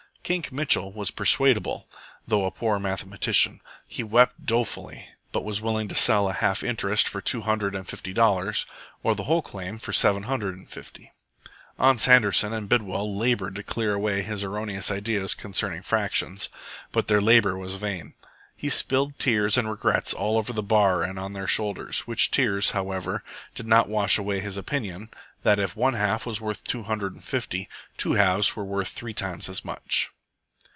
Kink Mitchell was persuadable, though a poor mathematician. He wept dolefully, but was willing to sell a half interest for two hundred and fifty dollars or the whole claim for seven hundred and fifty. Ans Handerson and Bidwell laboured to clear away his erroneous ideas concerning fractions, but their labour was vain. He spilled tears and regrets all over the bar and on their shoulders, which tears, however, did not wash away his opinion, that if one half was worth two hundred and fifty, two halves were worth three times as much.